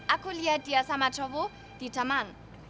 aku liat dia sama cowok di taman